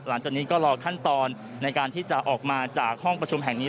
หลังจากนี้ก็รอขั้นตอนในการที่จะออกมาจากห้องประชุมแห่งนี้